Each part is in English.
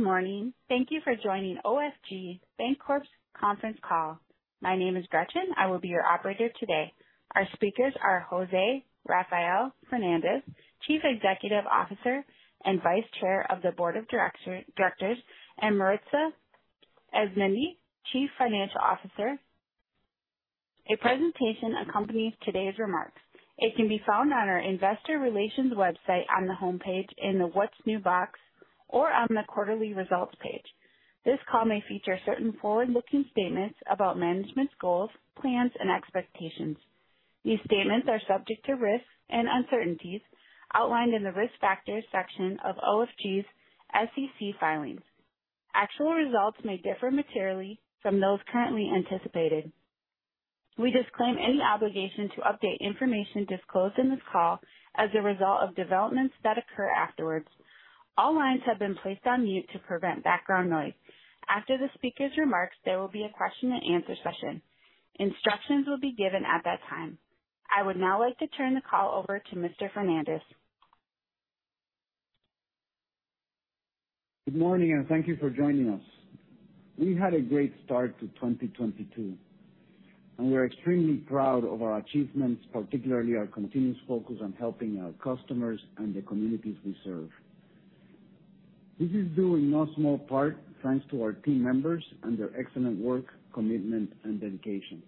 Good morning. Thank you for joining OFG Bancorp's conference call. My name is Gretchen. I will be your operator today. Our speakers are José Rafael Fernández, Chief Executive Officer and Vice Chair of the Board of Directors, and Maritza Arizmendi, Chief Financial Officer. A presentation accompanies today's remarks. It can be found on our Investor Relations website on the homepage in the What's New box or on the quarterly results page. This call may feature certain forward-looking statements about management's goals, plans, and expectations. These statements are subject to risks and uncertainties outlined in the Risk Factors section of OFG's SEC filings. Actual results may differ materially from those currently anticipated. We disclaim any obligation to update information disclosed in this call as a result of developments that occur afterwards. All lines have been placed on mute to prevent background noise. After the speaker's remarks, there will be a Q&A session. Instructions will be given at that time. I would now like to turn the call over to Mr. Fernández. Good morning, and thank you for joining us. We had a great start to 2022, and we're extremely proud of our achievements, particularly our continuous focus on helping our customers and the communities we serve. This is due in no small part thanks to our team members and their excellent work, commitment, and dedication.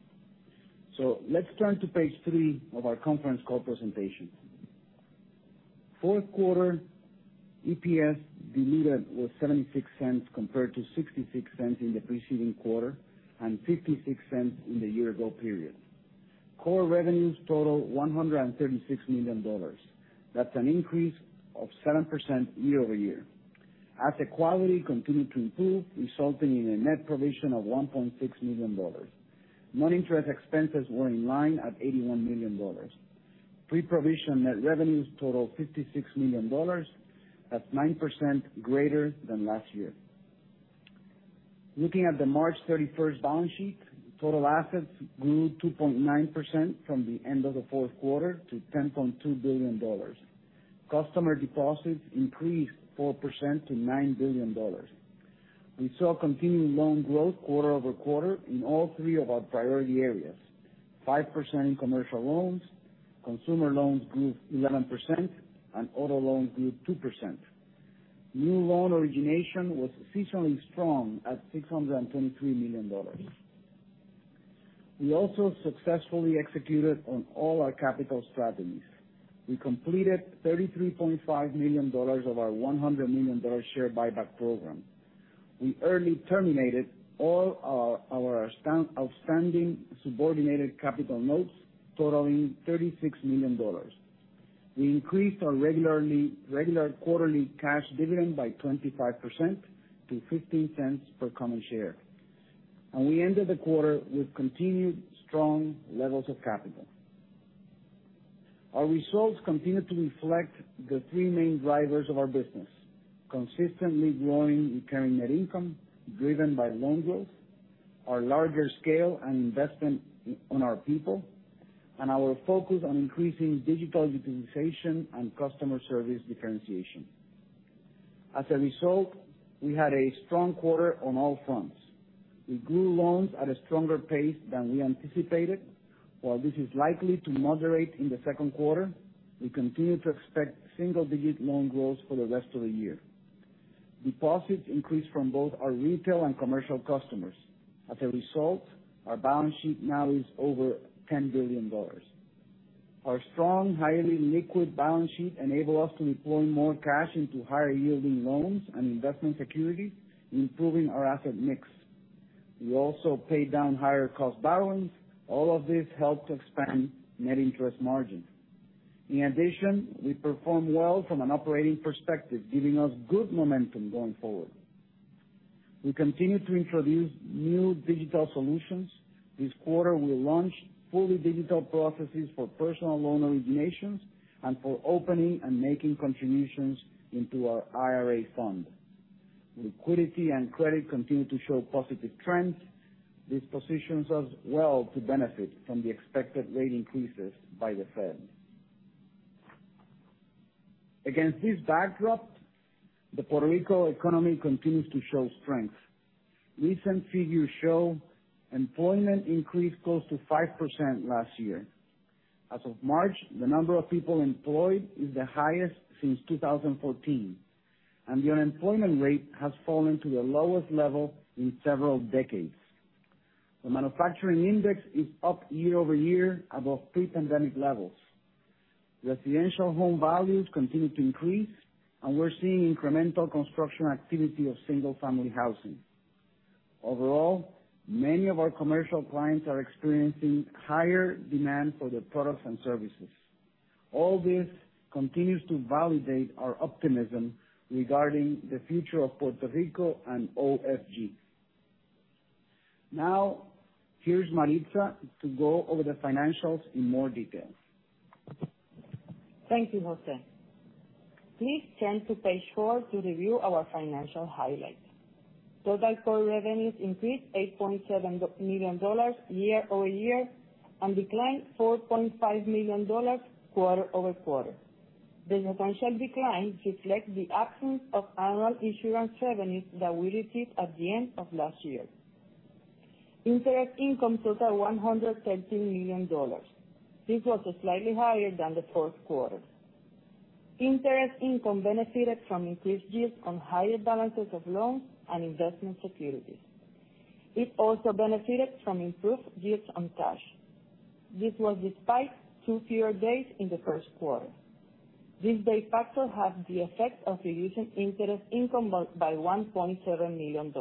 Let's turn to page three of our conference call presentation. Fourth quarter EPS diluted was $0.76 compared to $0.66 in the preceding quarter and $0.56 in the year-ago period. Core revenues total $136 million. That's an increase of 7% year-over-year. Asset quality continued to improve, resulting in a net provision of $1.6 million. Non-interest expenses were in line at $81 million. Pre-provision net revenues total $56 million, that's 9% greater than last year. Looking at the March 31 balance sheet, total assets grew 2.9% from the end of the fourth quarter to $10.2 billion. Customer deposits increased 4% to $9 billion. We saw continued loan growth quarter-over-quarter in all three of our priority areas. 5% in commercial loans, consumer loans grew 11%, and auto loans grew 2%. New loan origination was seasonally strong at $623 million. We also successfully executed on all our capital strategies. We completed $33.5 million of our $100 million share buyback program. We early terminated all our outstanding subordinated capital notes totaling $36 million. We increased our regular quarterly cash dividend by 25% to $0.15 per common share, and we ended the quarter with continued strong levels of capital. Our results continue to reflect the three main drivers of our business. Consistently growing recurring net income driven by loan growth, our larger scale and investment in our people, and our focus on increasing digital utilization and customer service differentiation. As a result, we had a strong quarter on all fronts. We grew loans at a stronger pace than we anticipated. While this is likely to moderate in the second quarter, we continue to expect single-digit loan growth for the rest of the year. Deposits increased from both our retail and commercial customers. As a result, our balance sheet now is over $10 billion. Our strong, highly liquid balance sheet enable us to deploy more cash into higher-yielding loans and investment securities, improving our asset mix. We also paid down higher cost balance. All of this helped to expand net interest margin. In addition, we performed well from an operating perspective, giving us good momentum going forward. We continue to introduce new digital solutions. This quarter we launched fully digital processes for personal loan originations and for opening and making contributions into our IRA fund. Liquidity and credit continue to show positive trends. This positions us well to benefit from the expected rate increases by the Fed. Against this backdrop, the Puerto Rico economy continues to show strength. Recent figures show employment increased close to 5% last year. As of March, the number of people employed is the highest since 2014, and the unemployment rate has fallen to the lowest level in several decades. The manufacturing index is up year-over-year above pre-pandemic levels. Residential home values continue to increase, and we're seeing incremental construction activity of single-family housing. Overall, many of our commercial clients are experiencing higher demand for their products and services. All this continues to validate our optimism regarding the future of Puerto Rico and OFG. Now, here's Maritza to go over the financials in more detail. Thank you, José. Please turn to page four to review our financial highlights. Total core revenues increased $8.7 million year-over-year, and declined $4.5 million quarter-over-quarter. The potential decline reflects the absence of annual insurance revenues that we received at the end of last year. Interest income totaled $113 million. This was slightly higher than the fourth quarter. Interest income benefited from increased yields on higher balances of loans and investment securities. It also benefited from improved yields on cash. This was despite two fewer days in the first quarter. This day factor had the effect of reducing interest income by $1.7 million.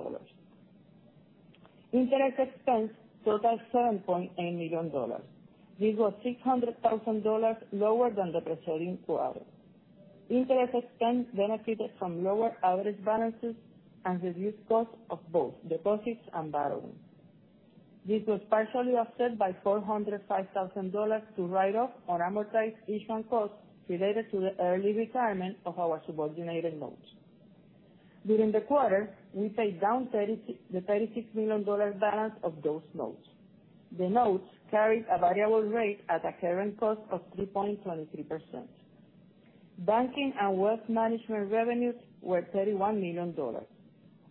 Interest expense totaled $7.8 million. This was $600,000 lower than the preceding quarter. Interest expense benefited from lower average balances and reduced cost of both deposits and borrowing. This was partially offset by $405,000 to write off or amortize issue on costs related to the early retirement of our subordinated loans. During the quarter, we paid down the $36 million balance of those loans. The loans carried a variable rate at a current cost of 3.23%. Banking and wealth management revenues were $31 million.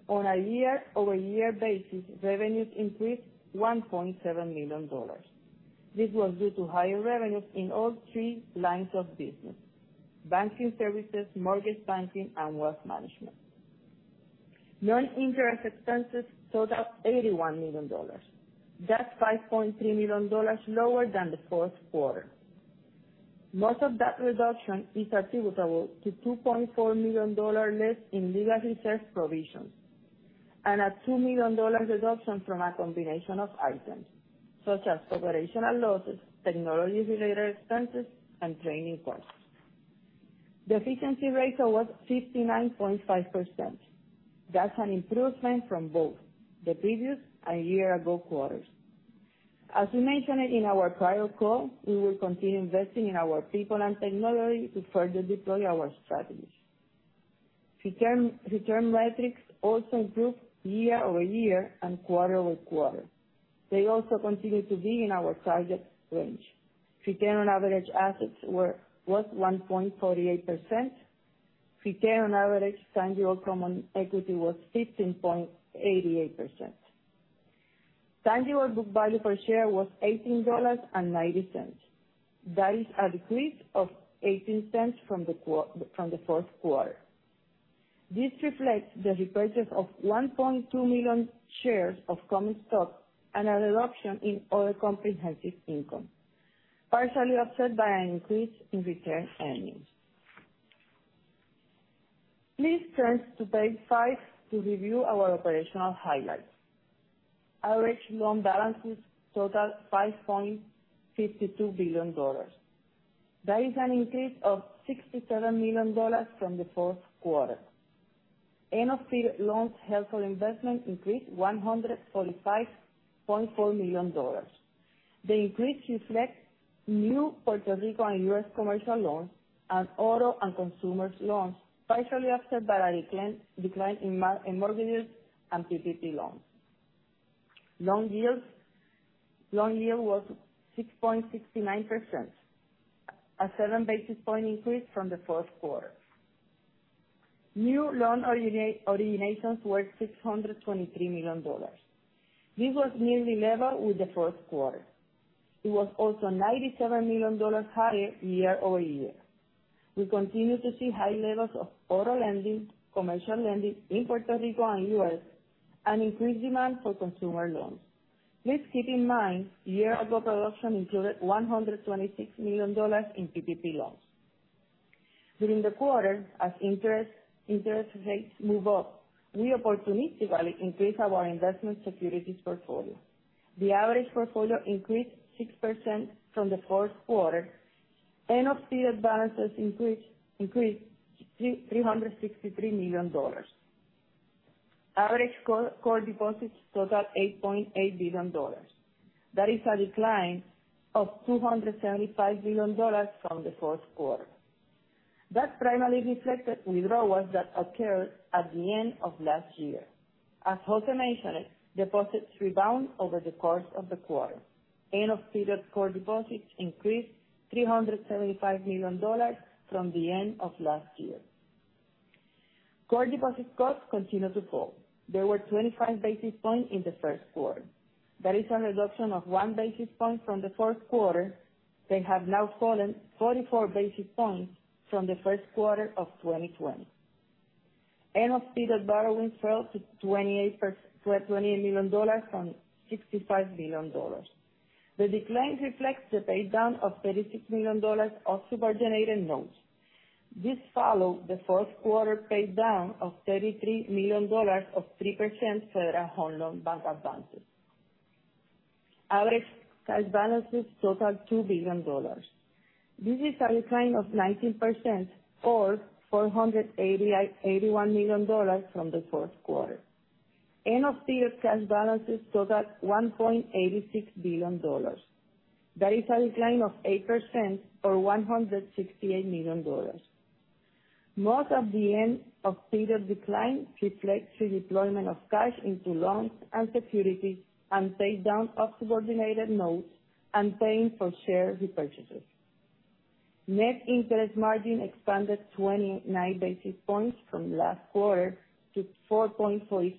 On a year-over-year basis, revenues increased $1.7 million. This was due to higher revenues in all three lines of business, banking services, mortgage banking, and wealth management. Non-interest expenses totaled $81 million. That's $5.3 million lower than the fourth quarter. Most of that reduction is attributable to $2.4 million less in legal reserve provisions and a $2 million reduction from a combination of items such as operational losses, technology-related expenses, and training costs. The efficiency ratio was 59.5%. That's an improvement from both the previous and year ago quarters. As we mentioned it in our prior call, we will continue investing in our people and technology to further deploy our strategies. Return metrics also improved year-over-year and quarter-over-quarter. They also continue to be in our target range. Return on average assets was 1.48%. Return on average, tangible common equity was 15.88%. Tangible book value per share was $18.90. That is a decrease of $0.18 from the fourth quarter. This reflects the repurchase of 1.2 million shares of common stock and a reduction in other comprehensive income, partially offset by an increase in retained earnings. Please turn to page five to review our operational highlights. Average loan balances totaled $5.52 billion. That is an increase of $67 million from the fourth quarter. End-of-period loans held for investment increased $145.4 million. The increase reflects new Puerto Rico and U.S. commercial loans and auto and consumer loans, partially offset by a decline in mortgages and PPP loans. Loan yield was 6.69%, a 7 basis point increase from the fourth quarter. New loan originations were $623 million. This was nearly level with the fourth quarter. It was also $97 million higher year-over-year. We continue to see high levels of auto lending, commercial lending in Puerto Rico and U.S., and increased demand for consumer loans. Please keep in mind, loan production included $126 million in PPP loans. During the quarter, as interest rates move up, we opportunistically increased our investment securities portfolio. The average portfolio increased 6% from the fourth quarter. End-of-period balances increased $363 million. Average core deposits totaled $8.8 billion. That is a decline of $275 million from the fourth quarter. That primarily reflected withdrawals that occurred at the end of last year. As José mentioned, deposits rebound over the course of the quarter. End-of-period core deposits increased $375 million from the end of last year. Core deposit costs continue to fall. There were 25 basis points in the first quarter. That is a reduction of 1 basis point from the fourth quarter. They have now fallen 44 basis points from the first quarter of 2020. End-of-period borrowing fell to $28 million from $65 billion. The decline reflects the pay down of $36 million of subordinated loans. This followed the fourth quarter pay down of $33 million of 3% Federal Home Loan Bank advances. Average cash balances totaled $2 billion. This is a decline of 19% or $481 million from the fourth quarter. End-of-period cash balances totaled $1.86 billion. That is a decline of 8% or $168 million. Most of the end-of-period decline reflects the deployment of cash into loans and securities and pay down of subordinated notes and paying for share repurchases. Net interest margin expanded 29 basis points from last quarter to 4.47%.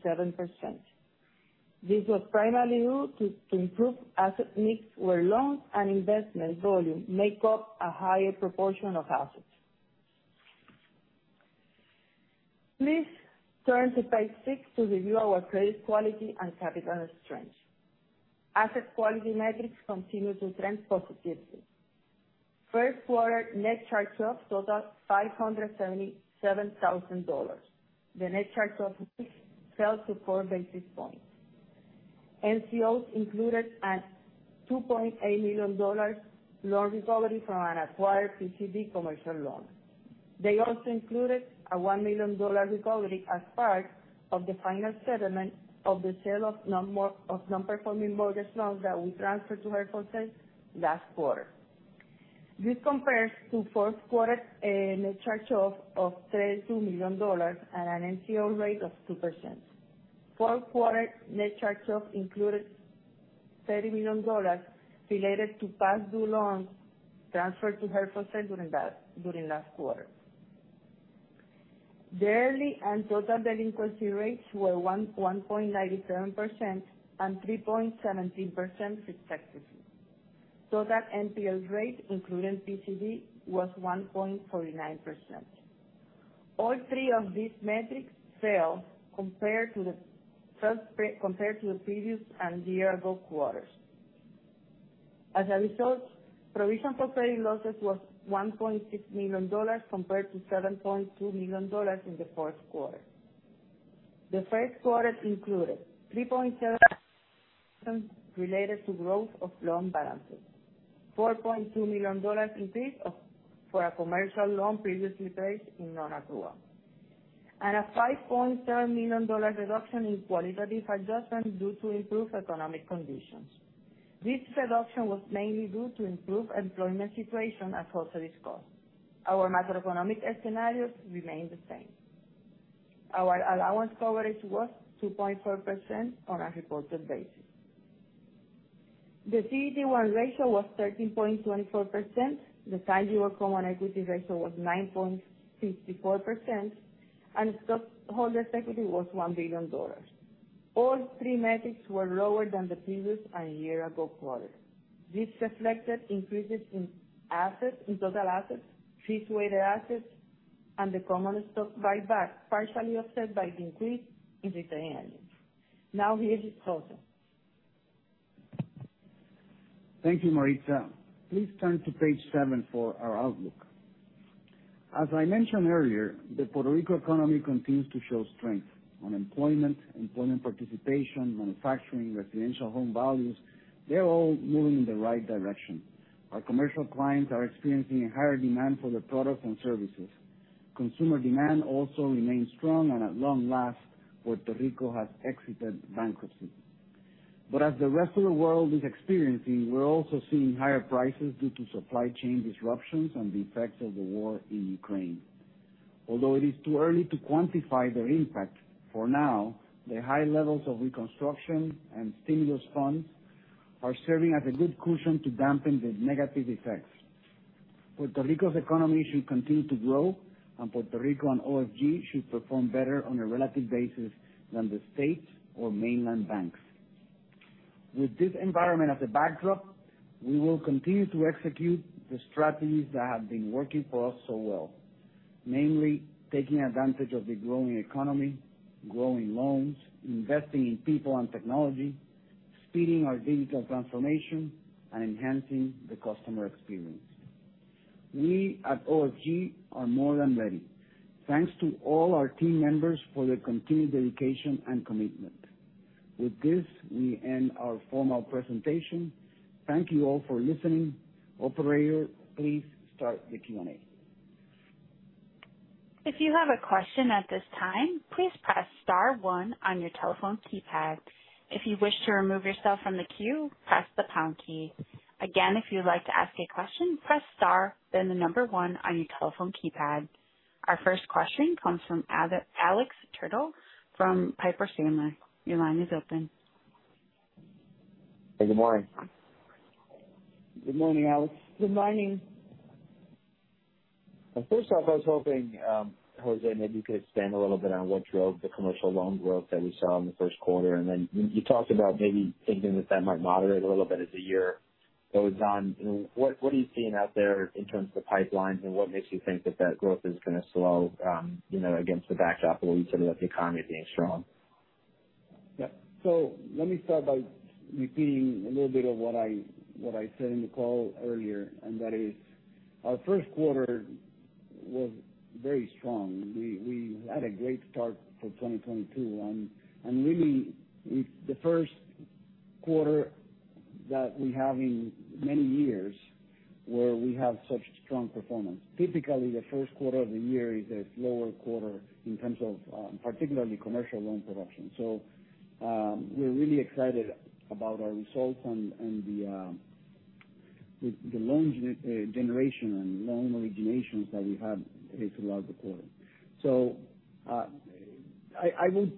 This was primarily due to improved asset mix, where loans and investment volume make up a higher proportion of assets. Please turn to page six to review our credit quality and capital strength. Asset quality metrics continue to trend positively. First quarter net charge-offs total $577,000. The net charge-off ratio fell to 4 basis points. NCOs included a $2.8 million loan recovery from an acquired PCD commercial loan. They also included a $1 million recovery as part of the final settlement of the sale of non-performing mortgage loans that we transferred to held for sale last quarter. This compares to fourth quarter net charge-off of $32 million at an NCO rate of 2%. Fourth quarter net charge-off included $30 million related to past due loans transferred to held for sale during last quarter. Daily and total delinquency rates were 1.97% and 3.17% respectively, so that NPL rate including PCD was 1.49%. All three of these metrics fell compared to the previous and year ago quarters. As a result, provision for credit losses was $1.6 million compared to $7.2 million in the fourth quarter. The first quarter included 3.7 related to growth of loan balances, $4.2 million increase of, for a commercial loan previously placed in nonaccrual, and a $5.7 million reduction in qualitative adjustments due to improved economic conditions. This reduction was mainly due to improved employment situation, as José Rafael discussed. Our macroeconomic scenarios remain the same. Our allowance coverage was 2.4% on a reported basis. The CET1 ratio was 13.24%. The tangible common equity ratio was 9.54%, and stockholder equity was $1 billion. All three metrics were lower than the previous and year-ago quarter. This reflected increases in assets, in total assets, risk-weighted assets, and the common stock buyback partially offset by the increase in retained earnings. Now here is José. Thank you, Maritza. Please turn to page seven for our outlook. As I mentioned earlier, the Puerto Rico economy continues to show strength. Unemployment, employment participation, manufacturing, residential home values, they're all moving in the right direction. Our commercial clients are experiencing higher demand for their products and services. Consumer demand also remains strong. At long last, Puerto Rico has exited bankruptcy. As the rest of the world is experiencing, we're also seeing higher prices due to supply chain disruptions and the effects of the war in Ukraine. Although it is too early to quantify their impact, for now, the high levels of reconstruction and stimulus funds are serving as a good cushion to dampen the negative effects. Puerto Rico's economy should continue to grow, and Puerto Rico and OFG should perform better on a relative basis than the states or mainland banks. With this environment as a backdrop, we will continue to execute the strategies that have been working for us so well, mainly taking advantage of the growing economy, growing loans, investing in people and technology, speeding our digital transformation, and enhancing the customer experience. We at OFG are more than ready. Thanks to all our team members for their continued dedication and commitment. With this, we end our formal presentation. Thank you all for listening. Operator, please start the Q&A. If you have a question at this time, please press star one on your telephone keypad. If you wish to remove yourself from the queue, press the pound key. Again, if you'd like to ask a question, press star, then the number one on your telephone keypad. Our first question comes from Alex Twerdahl from Piper Sandler. Your line is open. Good morning. Good morning, Alex. Good morning. First off, I was hoping, José, maybe you could expand a little bit on what drove the commercial loan growth that we saw in the first quarter. You talked about maybe thinking that that might moderate a little bit as the year goes on. You know, what are you seeing out there in terms of the pipelines and what makes you think that that growth is gonna slow, you know, against the backdrop of what you said about the economy being strong? Yeah. Let me start by repeating a little bit of what I said in the call earlier, and that is our first quarter was very strong. We had a great start for 2022, and really it's the first quarter that we have in many years where we have such strong performance. Typically, the first quarter of the year is a slower quarter in terms of particularly commercial loan production. We're really excited about our results and the loans generation and loan originations that we had throughout the quarter. I would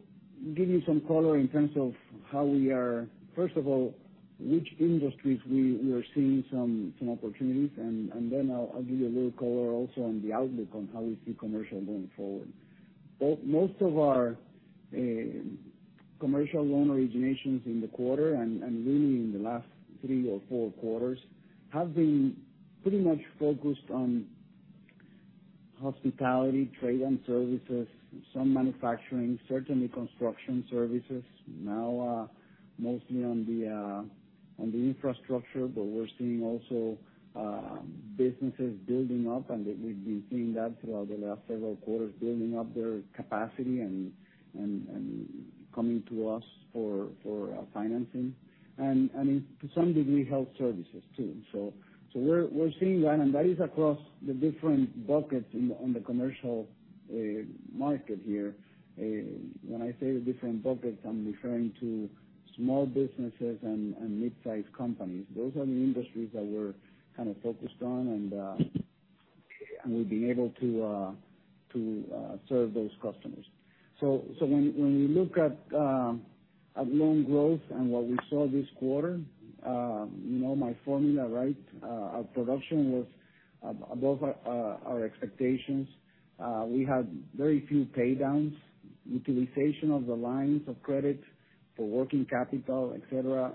give you some color in terms of how we are. First of all, which industries we are seeing some opportunities, and then I'll give you a little color also on the outlook on how we see commercial going forward. Most of our commercial loan originations in the quarter and really in the last three or four quarters have been pretty much focused on hospitality, trade and services, some manufacturing, certainly construction services. Now, mostly on the infrastructure, but we're seeing also businesses building up. We've been seeing that throughout the last several quarters, building up their capacity and coming to us for financing and, to some degree, health services too. We're seeing that, and that is across the different buckets in the commercial market here. When I say the different buckets, I'm referring to small businesses and mid-sized companies. Those are the industries that we're kind of focused on and we've been able to serve those customers. When you look at loan growth and what we saw this quarter, you know my formula, right? Our production was above our expectations. We had very few pay downs. Utilization of the lines of credit for working capital, et cetera,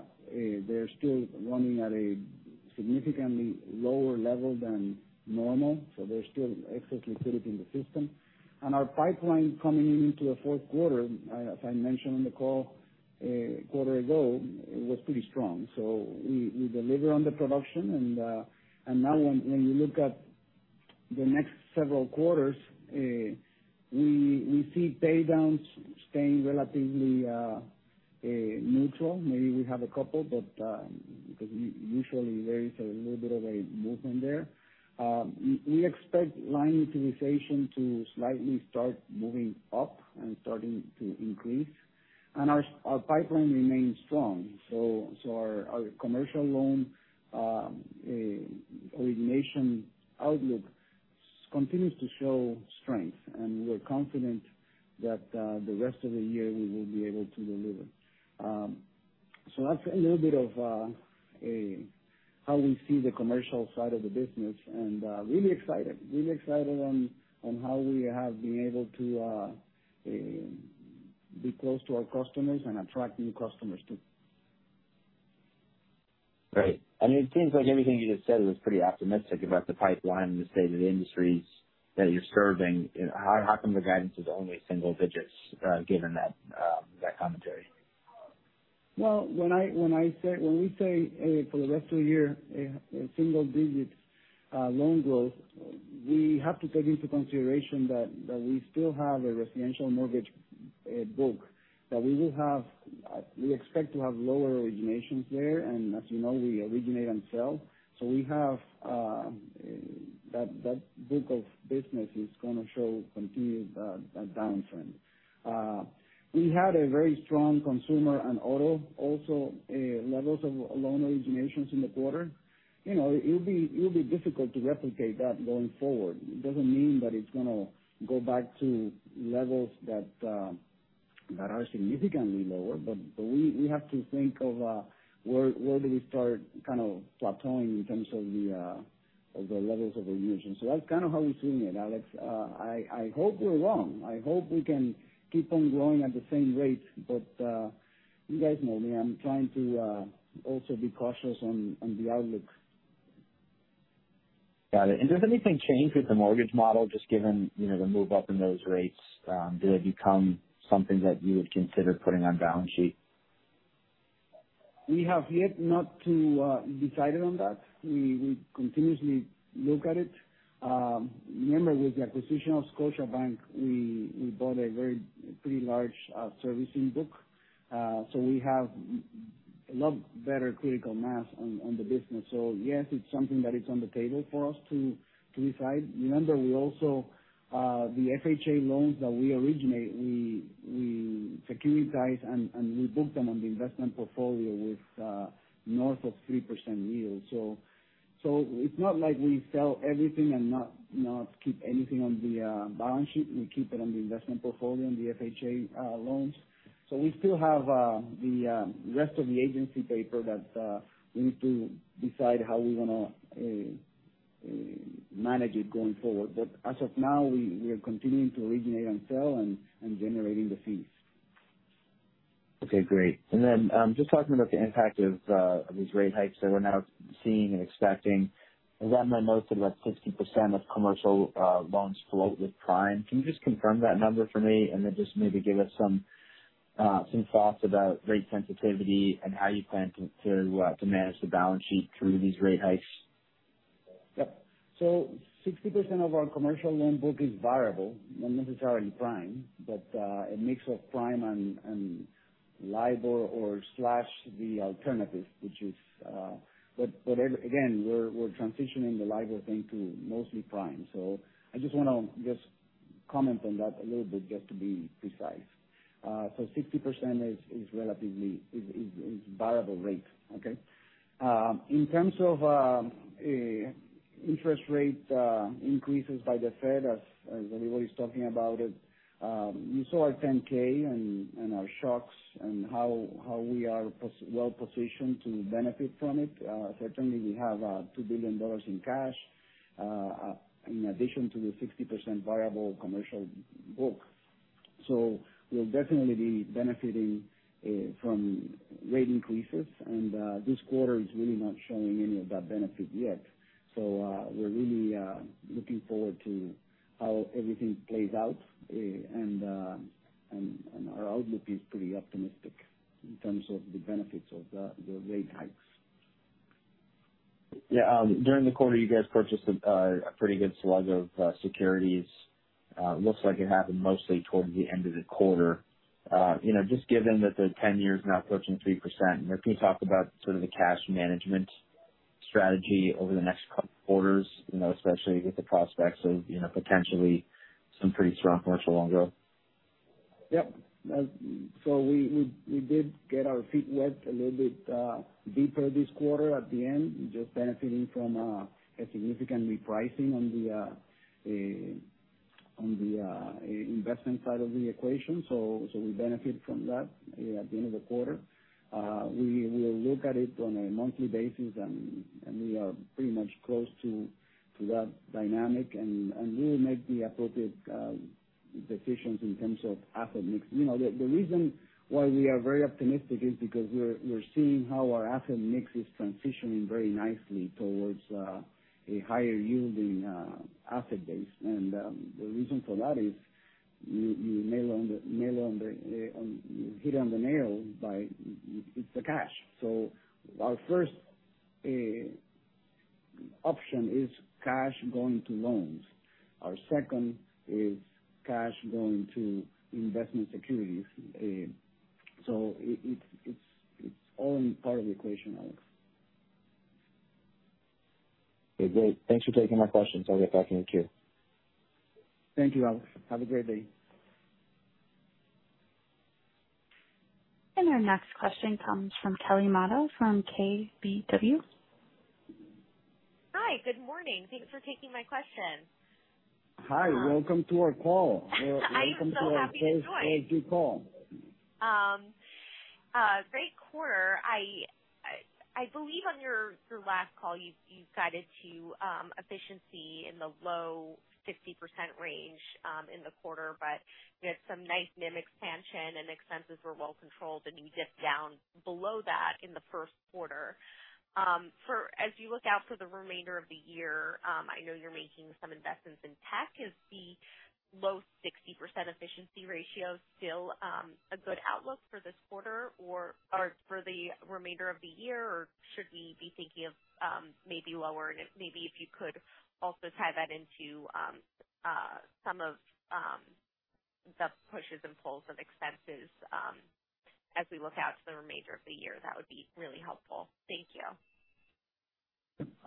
they're still running at a significantly lower level than normal, so there's still excess liquidity in the system. Our pipeline coming into the fourth quarter, as I mentioned on the call a quarter ago, it was pretty strong. We deliver on the production and now when you look at the next several quarters, we see pay downs staying relatively neutral. Maybe we have a couple, but because usually there is a little bit of a movement there. We expect line utilization to slightly start moving up and starting to increase. Our pipeline remains strong. Our commercial loan origination outlook continues to show strength, and we're confident that the rest of the year we will be able to deliver. That's a little bit of how we see the commercial side of the business. Really excited on how we have been able to be close to our customers and attract new customers too. Great. It seems like everything you just said was pretty optimistic about the pipeline and the state of the industries that you're serving. How come the guidance is only single digits, given that commentary? Well, when we say for the rest of the year, a single digit loan growth, we have to take into consideration that we still have a residential mortgage book that we expect to have lower originations there. As you know, we originate and sell. That book of business is gonna show continued downtrend. We had a very strong consumer and auto also levels of loan originations in the quarter. You know, it'll be difficult to replicate that going forward. It doesn't mean that it's gonna go back to levels that are significantly lower, but we have to think of where we start kind of plateauing in terms of the levels of origination. That's kind of how we're seeing it, Alex. I hope we're wrong. I hope we can keep on growing at the same rate, but you guys know me. I'm trying to also be cautious on the outlook. Got it. Does anything change with the mortgage model, just given, you know, the move up in those rates? Do they become something that you would consider putting on balance sheet? We have not yet decided on that. We continuously look at it. Remember, with the acquisition of Scotiabank, we bought a very pretty large servicing book. We have a lot better critical mass on the business. Yes, it's something that is on the table for us to decide. Remember, we also the FHA loans that we originate, we securitize and we book them on the investment portfolio with north of 3% yield. It's not like we sell everything and not keep anything on the balance sheet. We keep it on the investment portfolio, the FHA loans. We still have the rest of the agency paper that we need to decide how we're gonna manage it going forward. As of now, we are continuing to originate and sell and generating the fees. Okay, great. Just talking about the impact of these rate hikes that we're now seeing and expecting. In my notes, about 60% of commercial loans float with Prime. Can you just confirm that number for me? Just maybe give us some thoughts about rate sensitivity and how you plan to manage the balance sheet through these rate hikes. Yep. 60% of our commercial loan book is variable, not necessarily prime, but a mix of prime and LIBOR or slash the alternative, which is, but again, we're transitioning the LIBOR thing to mostly prime. I just wanna comment on that a little bit to be precise. 60% is relatively variable rate. Okay? In terms of interest rate increases by the Fed, as everybody's talking about it, you saw our 10-K and our shocks and how we are well positioned to benefit from it. Certainly we have $2 billion in cash in addition to the 60% variable commercial book. We'll definitely be benefiting from rate increases. This quarter is really not showing any of that benefit yet. We're really looking forward to how everything plays out. Our outlook is pretty optimistic in terms of the benefits of the rate hikes. Yeah. During the quarter, you guys purchased a pretty good slug of securities. Looks like it happened mostly toward the end of the quarter. You know, just given that the 10-year is now approaching 3%, can you talk about sort of the cash management strategy over the next couple quarters, you know, especially with the prospects of, you know, potentially some pretty strong commercial loan growth? Yep. We did get our feet wet a little bit deeper this quarter at the end, just benefiting from a significant repricing on the investment side of the equation. We benefit from that at the end of the quarter. We will look at it on a monthly basis and we are pretty much close to that dynamic and we'll make the appropriate decisions in terms of asset mix. You know, the reason why we are very optimistic is because we're seeing how our asset mix is transitioning very nicely towards a higher yielding asset base. The reason for that is you hit the nail on the head. It's the cash. Our first option is cash going to loans. Our second is cash going to investment securities. It’s all part of the equation, Alex. Okay, great. Thanks for taking my questions. I'll get back in the queue. Thank you, Alex. Have a great day. Our next question comes from Kelly Motta from KBW. Hi, good morning. Thanks for taking my question. Hi. Welcome to our call. I am so happy to join. Thank you Kelly. Great quarter. I believe on your last call, you guided to efficiency in the low 50% range in the quarter, but you had some nice NIM expansion and expenses were well controlled, and you dipped down below that in the first quarter. As you look out for the remainder of the year, I know you're making some investments in tech. Is the low 60% efficiency ratio still a good outlook for this quarter or for the remainder of the year? Or should we be thinking of maybe lower? Maybe if you could also tie that into some of the pushes and pulls of expenses as we look out to the remainder of the year. That would be really helpful. Thank you.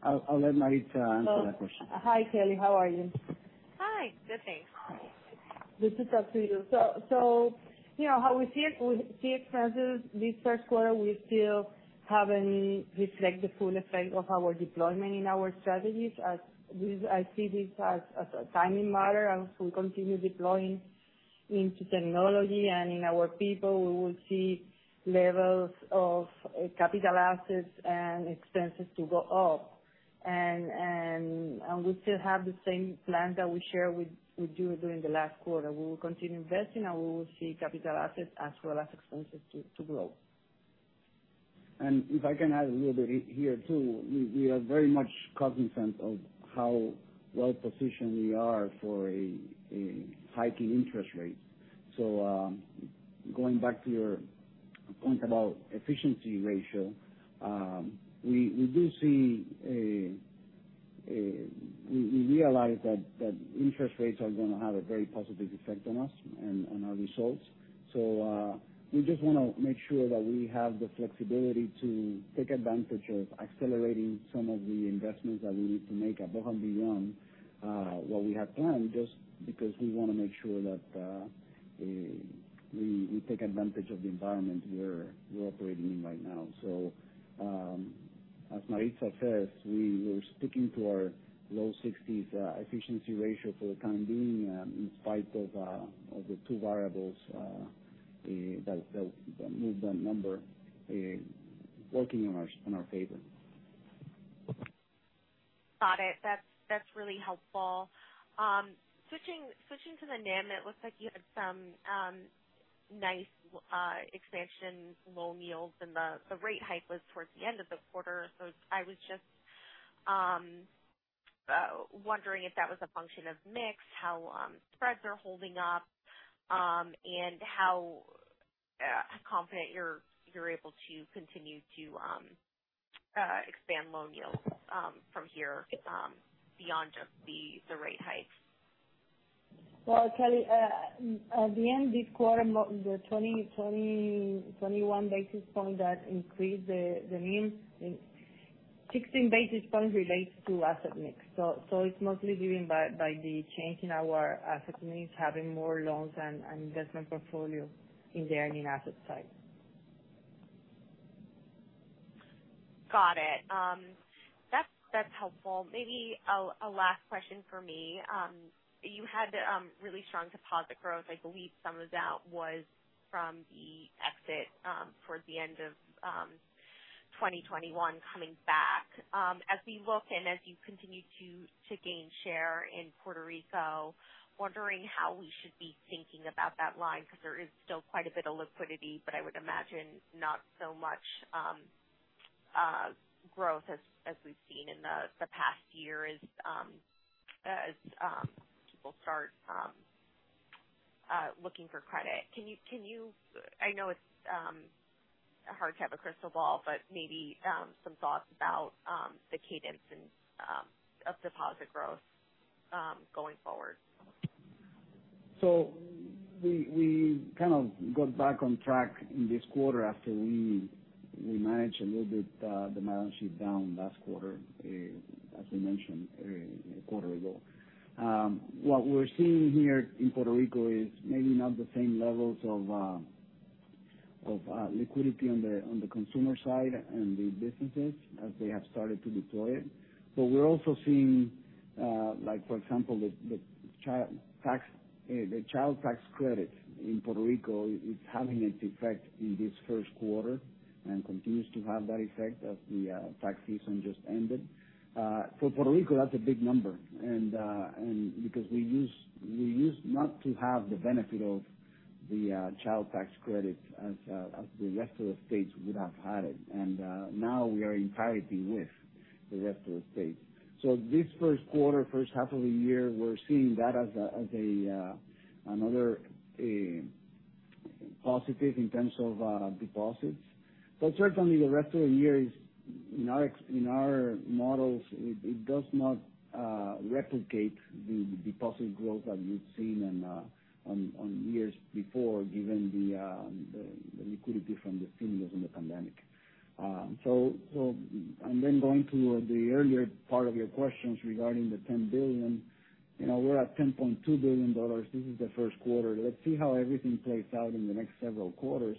I'll let Maritza answer that question. Hi, Kelly. How are you? Hi. Good, thanks. Good to talk to you. You know how we see expenses this first quarter, we still haven't reflect the full effect of our deployment in our strategies. I see this as a timing matter. As we continue deploying into technology and in our people, we will see levels of capital assets and expenses to go up. We still have the same plan that we share with you during the last quarter. We will continue investing, and we will see capital assets as well as expenses to grow. If I can add a little bit here too, we are very much cognizant of how well-positioned we are for a hiking interest rate. Going back to your point about efficiency ratio, we do see. We realize that interest rates are gonna have a very positive effect on us and our results. We just wanna make sure that we have the flexibility to take advantage of accelerating some of the investments that we need to make above and beyond what we have planned, just because we wanna make sure that we take advantage of the environment we're operating in right now. As Maritza says, we were sticking to our low 60s efficiency ratio for the time being, in spite of the two variables that move that number working in our favor. Got it. That's really helpful. Switching to the NIM, it looks like you had some nice expansion loan yields and the rate hike was towards the end of the quarter. I was just wondering if that was a function of mix, how spreads are holding up, and how confident you're able to continue to expand loan yields from here, beyond just the rate hikes. Well, Kelly, at the end of this quarter, the 21 basis point that increased the NIM 16 basis points relates to asset mix. It's mostly driven by the change in our asset mix, having more loans and investment portfolio in the earning asset side. Got it. That's helpful. Maybe a last question from me. You had really strong deposit growth. I believe some of that was from the exit towards the end of 2021 coming back. As we look and as you continue to gain share in Puerto Rico, wondering how we should be thinking about that line, because there is still quite a bit of liquidity, but I would imagine not so much growth as we've seen in the past year as people start looking for credit. Can you. I know it's hard to have a crystal ball, but maybe some thoughts about the cadence and of deposit growth going forward. We kind of got back on track in this quarter after we managed a little bit the balance sheet down last quarter as we mentioned a quarter ago. What we're seeing here in Puerto Rico is maybe not the same levels of liquidity on the consumer side and the businesses as they have started to deploy. We're also seeing like for example the Child Tax Credit in Puerto Rico is having its effect in this first quarter and continues to have that effect as the tax season just ended. For Puerto Rico, that's a big number and because we used not to have the benefit of the Child Tax Credit as the rest of the states would have had it. Now we are in parity with the rest of the states. This first quarter, first half of the year, we're seeing that as another positive in terms of deposits. Certainly the rest of the year is, in our models, it does not replicate the deposit growth that we've seen in years before, given the liquidity from the stimulus and the pandemic. Going to the earlier part of your questions regarding the $10 billion, you know, we're at $10.2 billion. This is the first quarter. Let's see how everything plays out in the next several quarters.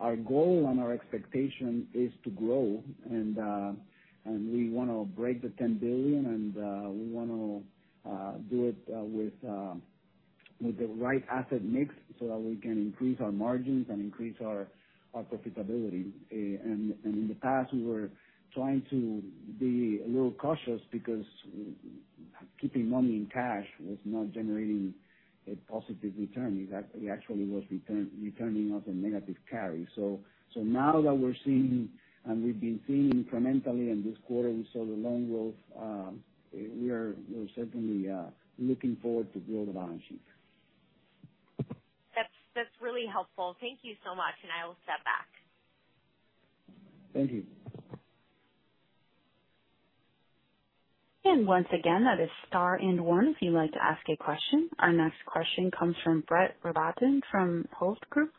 Our goal and our expectation is to grow and we wanna break the $10 billion and we wanna do it with the right asset mix so that we can increase our margins and increase our profitability. In the past we were trying to be a little cautious because keeping money in cash was not generating a positive return. It actually was returning us a negative carry. Now that we're seeing and we've been seeing incrementally in this quarter, we saw the loan growth, we are certainly looking forward to build the balance sheet. That's really helpful. Thank you so much, and I will step back. Thank you. Our next question comes from Brett Rabatin from Hovde Group.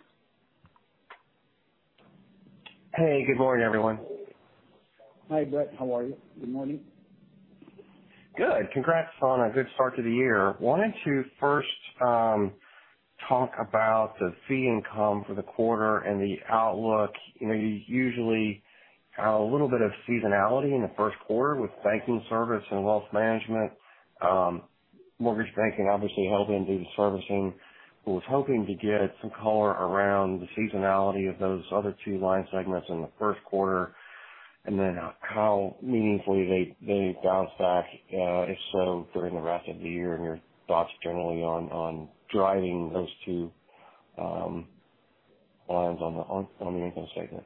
Hey, good morning, everyone. Hi, Brett. How are you? Good morning. Good. Congrats on a good start to the year. Wanted to first talk about the fee income for the quarter and the outlook. You know, you usually have a little bit of seasonality in the first quarter with banking service and wealth management. Mortgage banking obviously helping due to servicing. Was hoping to get some color around the seasonality of those other two line segments in the first quarter, and then how meaningfully they bounce back, if so, during the rest of the year and your thoughts generally on driving those two lines on the income statement.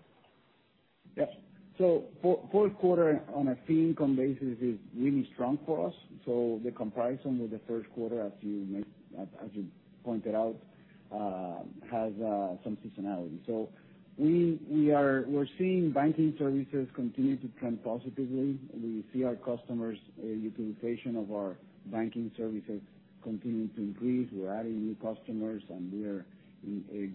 Fourth quarter on a fee income basis is really strong for us. The comparison with the first quarter, as you pointed out, has some seasonality. We're seeing banking services continue to trend positively. We see our customers' utilization of our banking services continuing to increase. We're adding new customers, and we're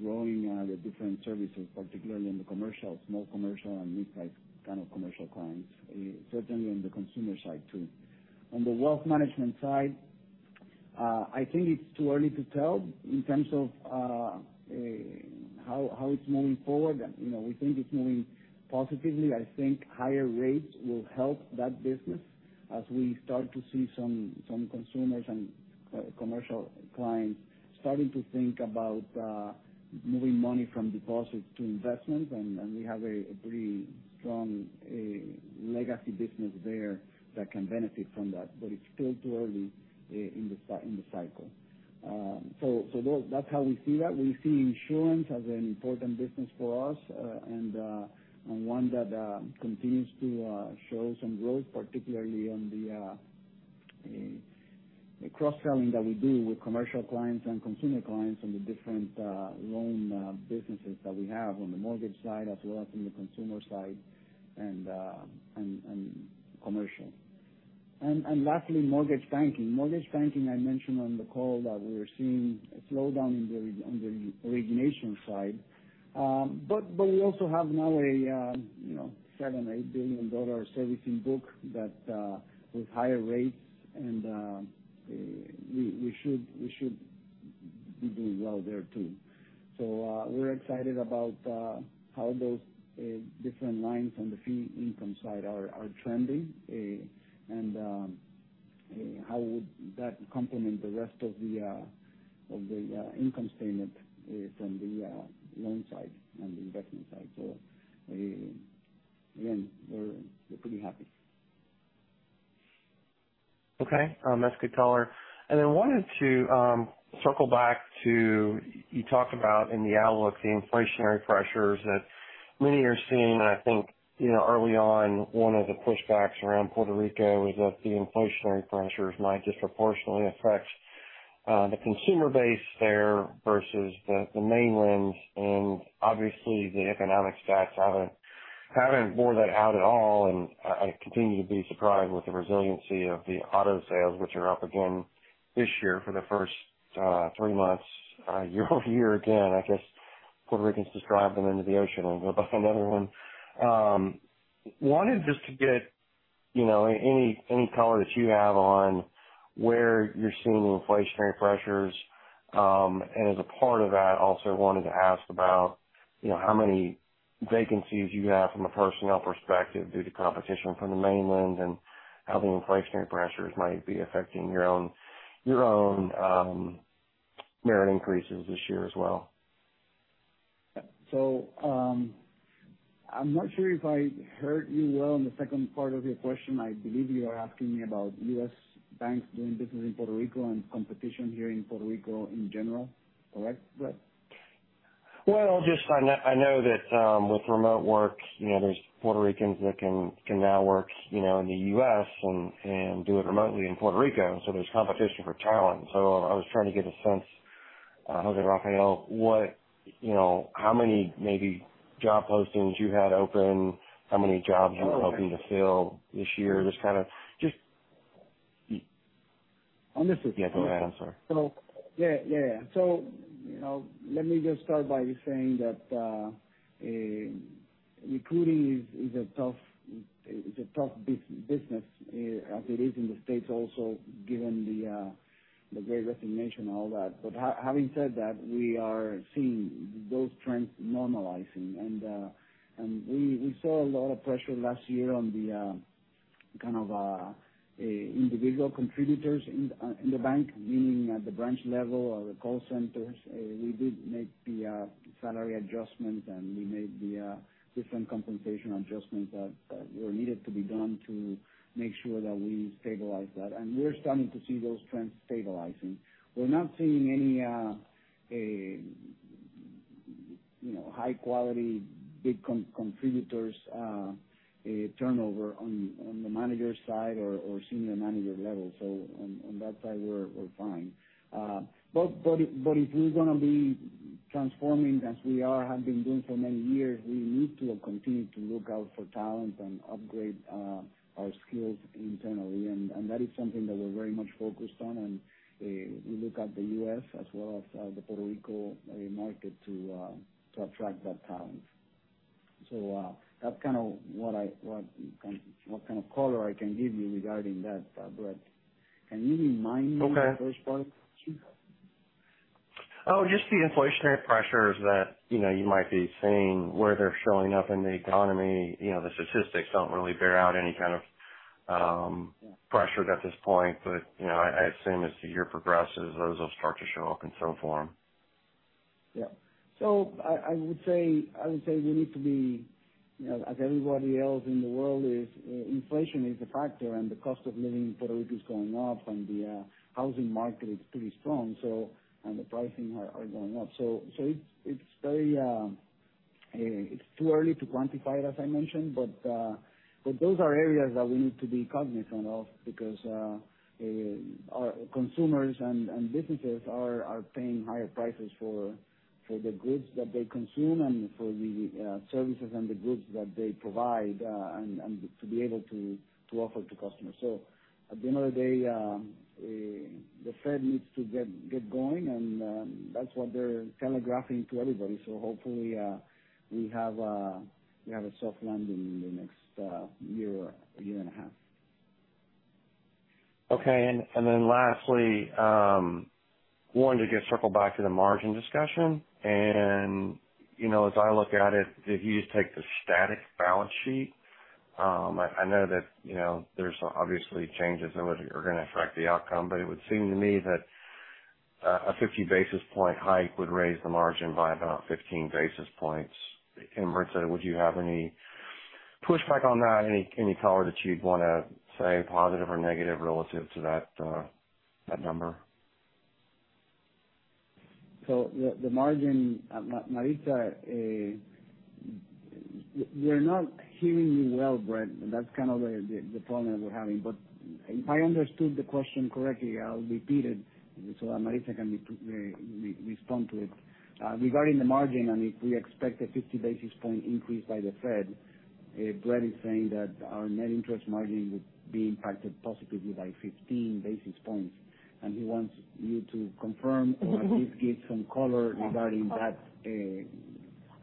growing the different services, particularly in the commercial, small commercial and mid-size kind of commercial clients, certainly on the consumer side too. On the wealth management side, I think it's too early to tell in terms of how it's moving forward. You know, we think it's moving positively. I think higher rates will help that business as we start to see some consumers and commercial clients starting to think about moving money from deposits to investments. We have a pretty strong legacy business there that can benefit from that. It's still too early in the cycle. That's how we see that. We see insurance as an important business for us, and one that continues to show some growth, particularly on the cross-selling that we do with commercial clients and consumer clients on the different loan businesses that we have on the mortgage side as well as in the consumer side and commercial. Lastly, mortgage banking. Mortgage banking, I mentioned on the call that we're seeing a slowdown in the re-origination side. But we also have now a, you know, $7 billion-$8 billion servicing book that, with higher rates and, we should be doing well there too. We're excited about how those different lines on the fee income side are trending, and how that would complement the rest of the income statement from the loan side and the investment side. Again, we're pretty happy. Okay. That's good color. Wanted to circle back to, you talked about in the outlook, the inflationary pressures that many are seeing. I think, you know, early on, one of the pushbacks around Puerto Rico was that the inflationary pressures might disproportionately affect the consumer base there versus the mainland. Obviously the economic stats haven't borne that out at all. I continue to be surprised with the resiliency of the auto sales, which are up again this year for the first three months year-over-year again. I guess Puerto Ricans just drive them into the ocean and go buy another one. Wanted just to get, you know, any color that you have on where you're seeing the inflationary pressures. As a part of that, also wanted to ask about, you know, how many vacancies you have from a personnel perspective due to competition from the mainland and how the inflationary pressures might be affecting your own merit increases this year as well? I'm not sure if I heard you well on the second part of your question. I believe you are asking me about U.S. banks doing business in Puerto Rico and competition here in Puerto Rico in general. Correct, Brett? I know that with remote work, you know, there's Puerto Ricans that can now work, you know, in the U.S. and do it remotely in Puerto Rico, so there's competition for talent. I was trying to get a sense, José Rafael, what, you know, how many maybe job postings you had open, how many jobs you were hoping to fill this year. Understood. Yeah, go ahead. I'm sorry. Yeah. You know, let me just start by saying that recruiting is a tough business as it is in the States also, given the Great Resignation, all that. Having said that, we are seeing those trends normalizing. We saw a lot of pressure last year on the kind of individual contributors in the bank, meaning at the branch level or the call centers. We did make the salary adjustments, and we made the different compensation adjustments that were needed to be done to make sure that we stabilize that. We're starting to see those trends stabilizing. We're not seeing any, you know, high quality, big contributors, turnover on the manager side or senior manager level. On that side, we're fine. If we're gonna be transforming as we have been doing for many years, we need to continue to look out for talent and upgrade our skills internally. That is something that we're very much focused on. We look at the U.S. as well as the Puerto Rico market to attract that talent. That's kind of the color I can give you regarding that, Brett. Can you remind me of the first part? Oh, just the inflationary pressures that, you know, you might be seeing, where they're showing up in the economy. You know, the statistics don't really bear out any kind of pressures at this point, but, you know, I assume as the year progresses, those will start to show up in some form. Yeah. I would say we need to be, you know, as everybody else in the world is, inflation is a factor, and the cost of living in Puerto Rico is going up, and the housing market is pretty strong, and the pricing are going up. It's too early to quantify it, as I mentioned, but those are areas that we need to be cognizant of because our consumers and businesses are paying higher prices for the goods that they consume and for the services and the goods that they provide, and to be able to offer to customers. At the end of the day, the Fed needs to get going, and that's what they're telegraphing to everybody. Hopefully, we have a soft landing in the next year or year and a half. Okay. Then lastly, I wanted to just circle back to the margin discussion. You know, as I look at it, if you just take the static balance sheet, I know that, you know, there's obviously changes that are gonna affect the outcome, but it would seem to me that a 50 basis point hike would raise the margin by about 15 basis points. Maritza, would you have any pushback on that? Any color that you'd wanna say, positive or negative, relative to that number? The margin, Maritza, you're not hearing me well, Brett. That's kind of the problem that we're having. If I understood the question correctly, I'll repeat it so Maritza can respond to it. Regarding the margin, and if we expect a 50 basis point increase by the Fed, Brett is saying that our net interest margin would be impacted positively by 15 basis points, and he wants you to confirm or at least give some color regarding that.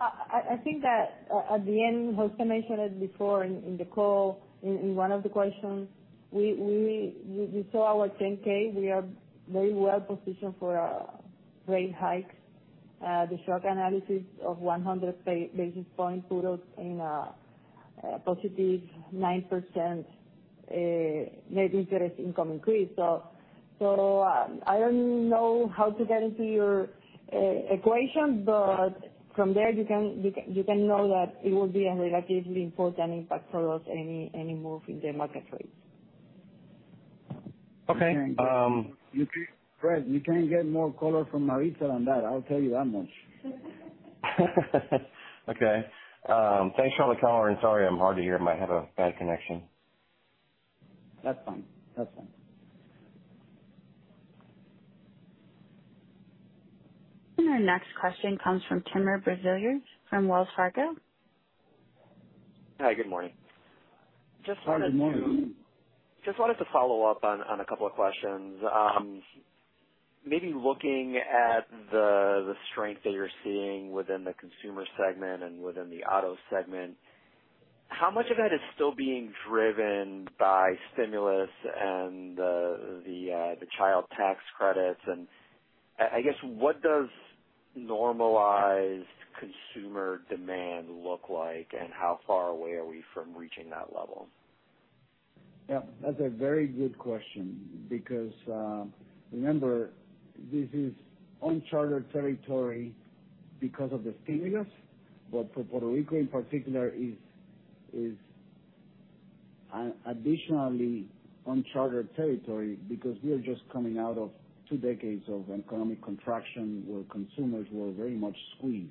I think that at the end, José mentioned it before in the call in one of the questions. We you saw our 10-K. We are very well-positioned for a rate hike. The shock analysis of 100 basis points put us in a positive 9% net interest income increase. I don't know how to get into your equation, but from there you can know that it will be a relatively important impact for us any move in the market rates. Okay. Brett, you can't get more color from Maritza than that. I'll tell you that much. Okay. Thanks for all the color, and sorry I'm hard to hear. Might have a bad connection. That's fine. Our next question comes from Timur Braziler from Wells Fargo. Hi, good morning. Good morning. Just wanted to follow up on a couple of questions. Maybe looking at the strength that you're seeing within the consumer segment and within the auto segment, how much of that is still being driven by stimulus and the Child Tax Credits? I guess, what does normalized consumer demand look like, and how far away are we from reaching that level? Yeah, that's a very good question because remember, this is uncharted territory because of the stimulus. For Puerto Rico in particular is additionally uncharted territory because we are just coming out of two decades of economic contraction where consumers were very much squeezed.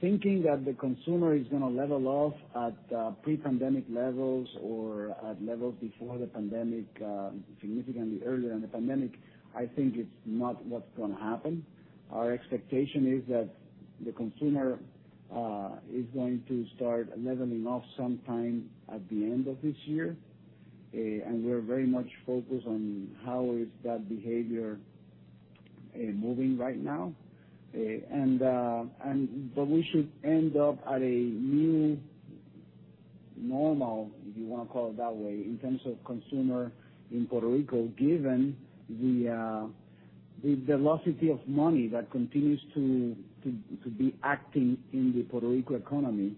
Thinking that the consumer is gonna level off at pre-pandemic levels or at levels before the pandemic significantly earlier in the pandemic, I think it's not what's gonna happen. Our expectation is that the consumer is going to start leveling off sometime at the end of this year. We're very much focused on how is that behavior moving right now. We should end up at a new normal, if you wanna call it that way, in terms of consumer in Puerto Rico, given the velocity of money that continues to be acting in the Puerto Rico economy.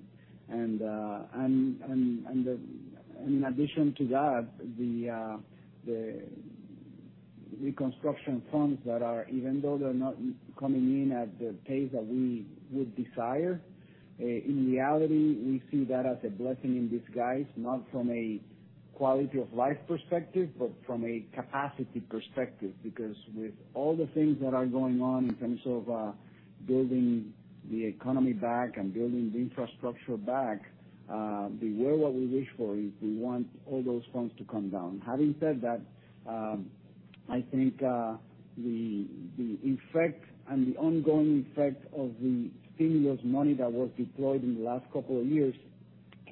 In addition to that, the reconstruction funds that are, even though they're not coming in at the pace that we would desire, in reality, we see that as a blessing in disguise, not from a quality of life perspective, but from a capacity perspective. Because with all the things that are going on in terms of building the economy back and building the infrastructure back, beware what we wish for if we want all those funds to come down. Having said that, I think the effect and the ongoing effect of the stimulus money that was deployed in the last couple of years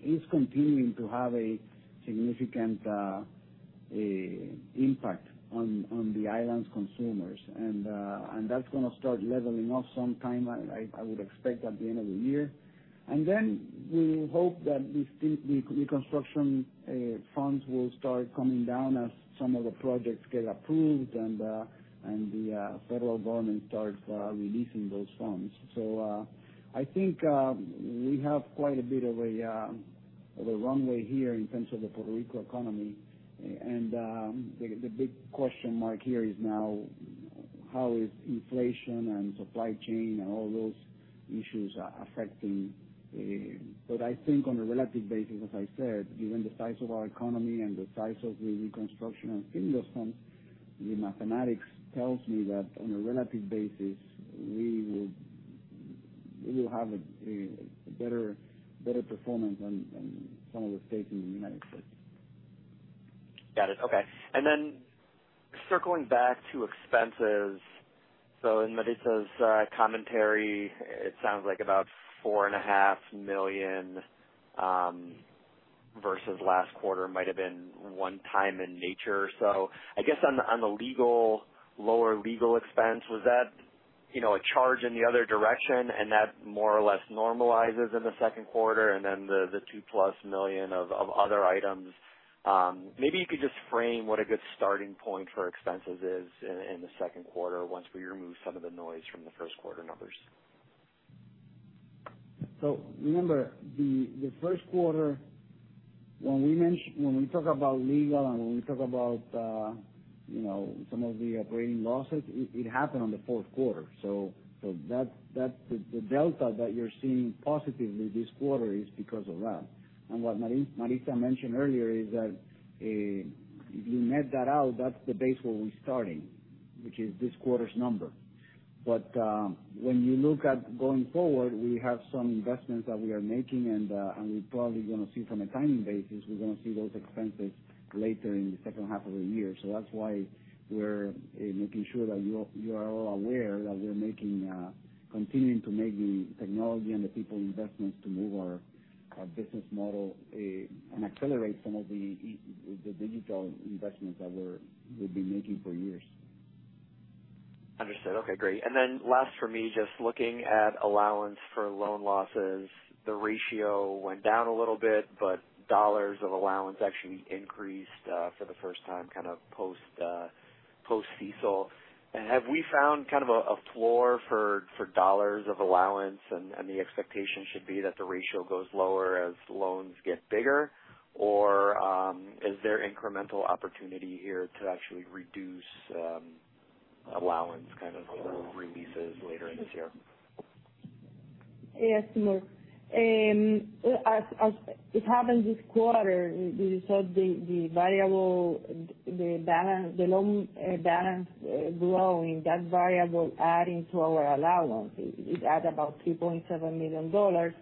is continuing to have a significant impact on the island's consumers. That's gonna start leveling off sometime, I would expect, at the end of the year. Then we hope that the reconstruction funds will start coming down as some of the projects get approved, and the federal government starts releasing those funds. I think we have quite a bit of a runway here in terms of the Puerto Rico economy. The big question mark here is now how is inflation and supply chain and all those issues affecting. I think on a relative basis, as I said, given the size of our economy and the size of the reconstruction and stimulus funds, the mathematics tells me that on a relative basis, we will have a better performance than some of the states in the United States. Got it. Okay. Circling back to expenses. In Maritza's commentary, it sounds like about $4.5 million versus last quarter might have been one-time in nature. I guess on the lower legal expense, was that, you know, a charge in the other direction and that more or less normalizes in the second quarter and then the $2+ million of other items? Maybe you could just frame what a good starting point for expenses is in the second quarter once we remove some of the noise from the first quarter numbers. Remember the first quarter, when we talk about legal and when we talk about some of the operating losses, it happened on the fourth quarter. That's the delta that you're seeing positively this quarter is because of that. What Maritza mentioned earlier is that, if you net that out, that's the base where we're starting, which is this quarter's number. When you look at going forward, we have some investments that we are making and we're probably gonna see from a timing basis, we're gonna see those expenses later in the second half of the year. That's why we're making sure that you are all aware that we're continuing to make the technology and the people investments to move our business model and accelerate some of the digital investments that we've been making for years. Understood. Okay, great. Then last for me, just looking at allowance for loan losses, the ratio went down a little bit, but dollars of allowance actually increased for the first time post CECL. Have we found a floor for dollars of allowance and the expectation should be that the ratio goes lower as loans get bigger? Or, is there incremental opportunity here to actually reduce allowance releases later this year? Yes, Timur. As it happened this quarter, we saw the variable loan balance growing, that variable adding to our allowance. It added about $3.7 million.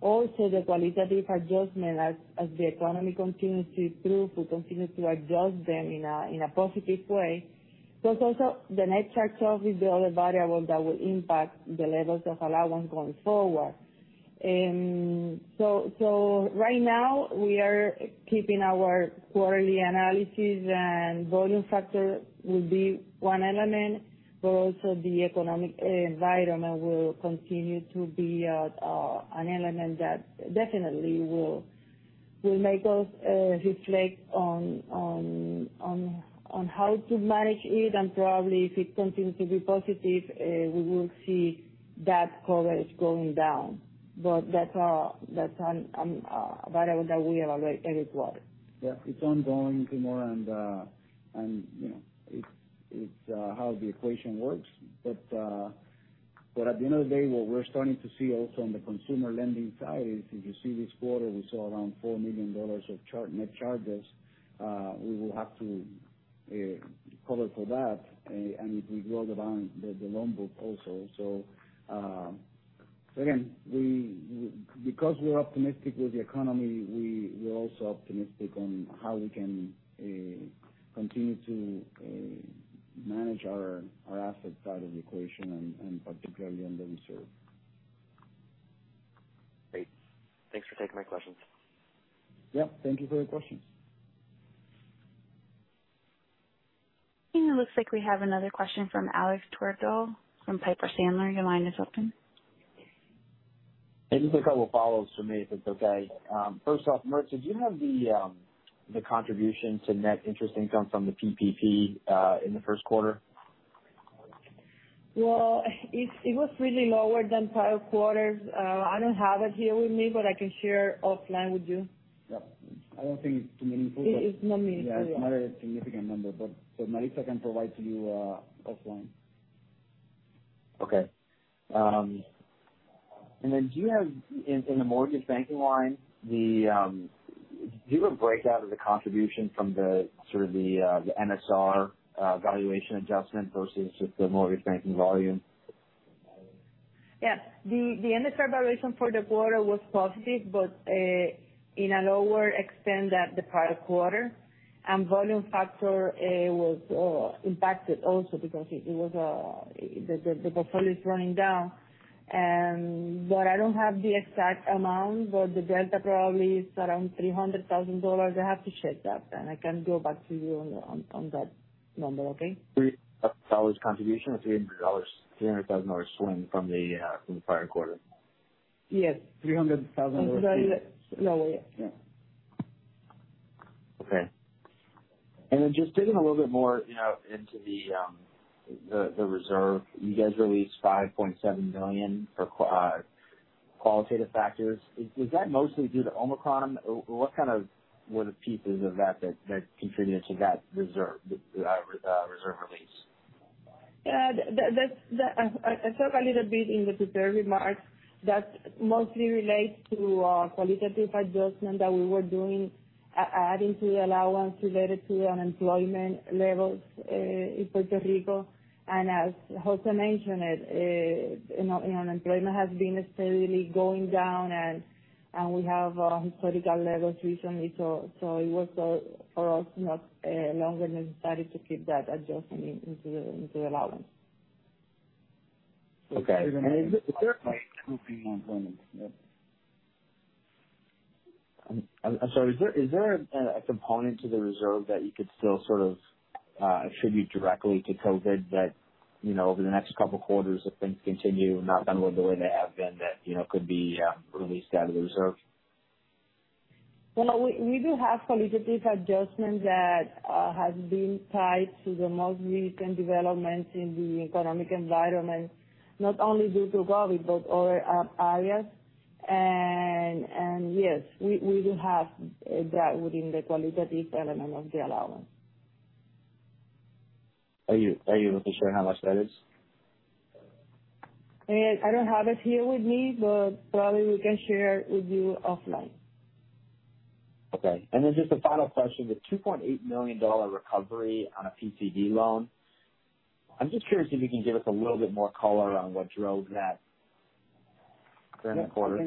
Also, the qualitative adjustment as the economy continues to improve, we continue to adjust them in a positive way. Plus also the net charge-off is the other variable that will impact the levels of allowance going forward. So right now we are keeping our quarterly analysis and volume factor will be one element, but also the economic environment will continue to be an element that definitely will make us reflect on how to manage it. Probably if it continues to be positive, we will see that coverage going down. That's a variable that we evaluate every quarter. Yeah. It's ongoing, Timur, and you know, it's how the equation works. At the end of the day, what we're starting to see also on the consumer lending side is, if you see this quarter, we saw around $4 million of net charge-offs. We will have to cover for that, and if we grow the balance, the loan book also. Again, because we are optimistic with the economy, we are also optimistic on how we can continue to manage our asset side of the equation and particularly on the reserve. Great. Thanks for taking my questions. Yep. Thank you for your questions. It looks like we have another question from Alex Twerdahl from Piper Sandler. Your line is open. Just a couple follows for me if it's okay. First off, Maritza, do you have the contribution to net interest income from the PPP in the first quarter? Well, it was really lower than prior quarters. I don't have it here with me, but I can share offline with you. Yeah. I don't think it's too meaningful but It's not meaningful. Yeah. It's not a significant number, but Maritza can provide to you offline. Okay. Do you have a breakout of the contribution from sort of the MSR valuation adjustment versus just the mortgage banking volume? Yeah. The MSR valuation for the quarter was positive, but in a lower extent than the prior quarter. Volume factor was impacted also because the portfolio is running down. But I don't have the exact amount, but the delta probably is around $300,000. I have to check that, and I can go back to you on that number. Okay? That's a contribution of $300,000 swing from the prior quarter? Yes. $300,000. No. Yeah. Yeah. Okay. Then just digging a little bit more, you know, into the reserve. You guys released $5.7 million for qualitative factors. Is that mostly due to Omicron? Or what kind of were the pieces of that contributed to that reserve release? Yeah. That I spoke a little bit in the prepared remarks. That mostly relates to a qualitative adjustment that we were doing adding to the allowance related to unemployment levels in Puerto Rico. As José mentioned it, you know, unemployment has been steadily going down, and we have historical levels recently. It was for us no longer necessary to keep that adjustment into the allowance. Okay. I'm sorry. Is there a component to the reserve that you could still sort of attribute directly to COVID that, you know, over the next couple quarters if things continue not downward the way they have been that, you know, could be released out of the reserve? Well, we do have qualitative adjustments that has been tied to the most recent developments in the economic environment, not only due to COVID, but other areas. Yes, we do have that within the qualitative element of the allowance. Are you able to share how much that is? I don't have it here with me, but probably we can share it with you offline. Okay. Just a final question. The $2.8 million recovery on a PCD loan, I'm just curious if you can give us a little bit more color on what drove that during the quarter.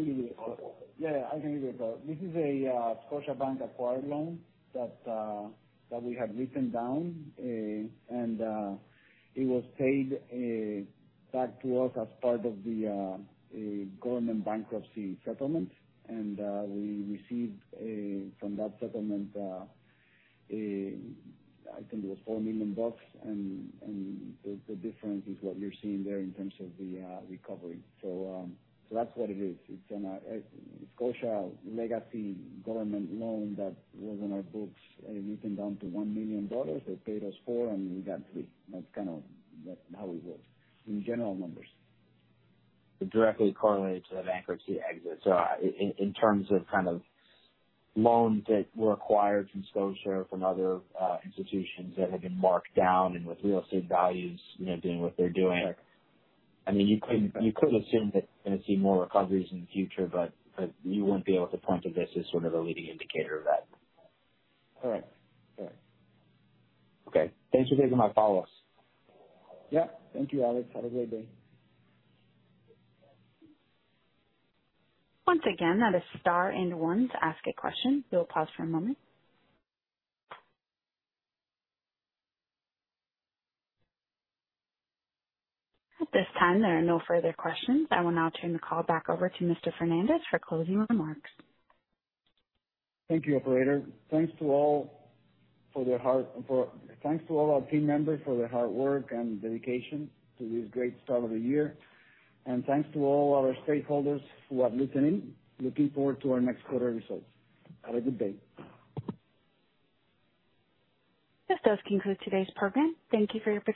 Yeah, I can give you the color. This is a Scotiabank acquired loan that we had written down, and it was paid back to us as part of the government bankruptcy settlement. We received from that settlement I think it was $4 million and the difference is what you're seeing there in terms of the recovery. That's what it is. It's a Scotiabank legacy government loan that was on our books written down to $1 million. They paid us $4 million and we got $3 million. That's kind of how it works in general numbers. It directly correlates to the bankruptcy exits. In terms of kind of loans that were acquired from Scotiabank, from other institutions that have been marked down and with real estate values, you know, doing what they're doing. Correct. I mean, you couldn't assume that we're gonna see more recoveries in the future, but you wouldn't be able to point to this as sort of a leading indicator of that. Correct. Correct. Okay. Thanks for taking my follow-ups. Yeah. Thank you, Alex. Have a great day. Once again, that is star one to ask a question. We will pause for a moment. At this time, there are no further questions. I will now turn the call back over to Mr. Fernández for closing remarks. Thank you, operator. Thanks to all our team members for their hard work and dedication to this great start of the year. Thanks to all our stakeholders who are listening. Looking forward to our next quarter results. Have a good day. This does conclude today's program. Thank you for your participation.